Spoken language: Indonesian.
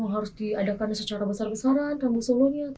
harus diadakan secara besar besaran rabu solo ya